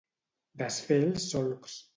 Desfer els solcs.